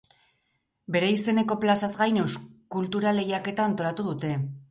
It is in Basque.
Bere izeneko plazaz gain, eskultura lehiaketa antolatu dute.